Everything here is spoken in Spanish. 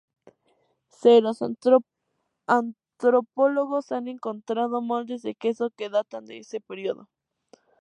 C, los antropólogos han encontrado moldes de queso que datan de ese periodo.